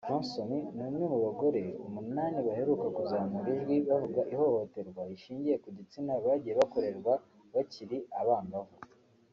Johnson ni umwe mu bagore umunani baherutse kuzamura ijwi bavuga ihohoterwa rishingiye ku gitsina bagiye bakorerwa bakiri abangavu